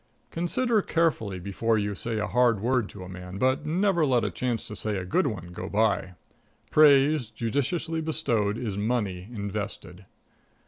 Consider carefully before you say a hard word to a man, but never let a chance to say a good one go by. Praise judiciously bestowed is money invested.